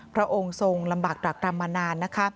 พระองค์ทรงค์ลำบากตากลับมานาน